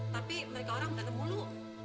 tapi mereka orang datang mulu